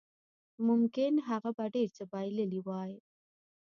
ممکن هغه به ډېر څه بایللي وای